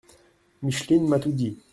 Micheline m’a tout dit.